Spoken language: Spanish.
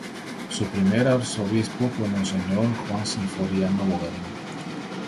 Su primer Arzobispo fue Monseñor Juan Sinforiano Bogarín.